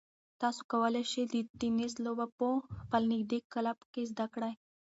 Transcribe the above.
تاسو کولای شئ چې د تېنس لوبه په خپل نږدې کلب کې زده کړئ.